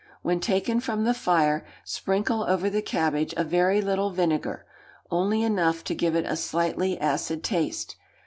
When taken from the fire, sprinkle over the cabbage a very little vinegar, only enough to give it a slightly acid taste.